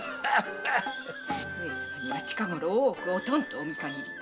上様には近ごろ大奥をとんとお見限り。